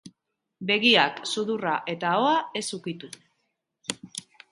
Begiak, sudurra eta ahoa ez ukitu.